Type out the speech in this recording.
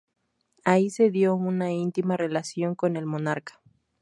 Ahí se dio una íntima relación con el monarca.